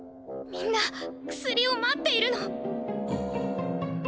みんな薬を待っているの。